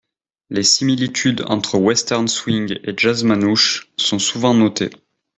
Les similitudes entre Western Swing et jazz manouche sont souvent notées.